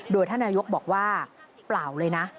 โดยท่านนายกบอกว่าเปล่าเลยนะ